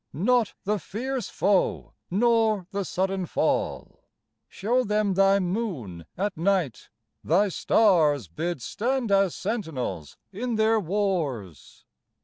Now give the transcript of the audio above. Not the fierce foe nor the sudden fall. Show them Thy moon at night : Thy stars Bid stand as sentinels in their wars.